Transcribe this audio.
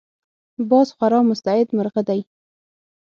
باز خورا مستعد مرغه دی